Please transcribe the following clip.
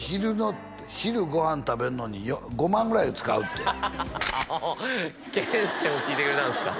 昼ご飯食べるのに５万ぐらい使うってああ研佑も聞いてくれたんですか？